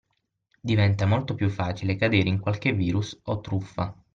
Diventa molto più facile cadere in qualche virus o truffa.